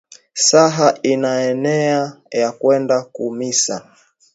Saha inaeneya ya kwenda ku misa